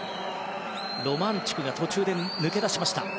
ロマンチュクが途中で抜け出しました。